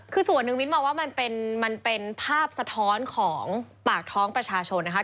คือส่วนหนึ่งมิ้นมองว่ามันเป็นภาพสะท้อนของปากท้องประชาชนนะคะ